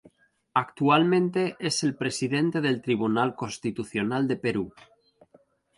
Actualmente, es el Presidente del Tribunal Constitucional del Perú.